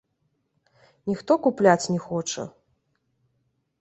Ніхто купляць не хоча.